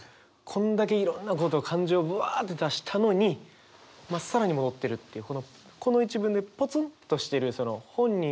こんだけいろんなこと感情をブワッて出したのにまっさらに戻ってるっていうこの１文でポツンとしているその本人